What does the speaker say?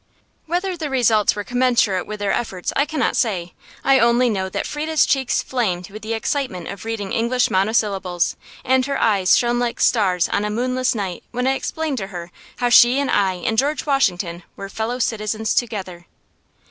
Whether the results were commensurate with our efforts I cannot say. I only know that Frieda's cheeks flamed with the excitement of reading English monosyllables; and her eyes shone like stars on a moonless night when I explained to her how she and I and George Washington were Fellow Citizens together.